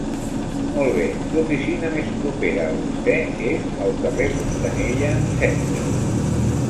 Molt bé, l'oficina més propera a vostè és al Carrer Fontanella, setze.